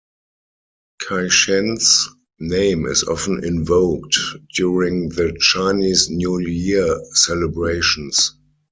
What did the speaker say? Caishen's name is often invoked during the Chinese New Year celebrations.